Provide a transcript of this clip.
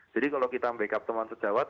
jadi kalau kita backup teman sejawat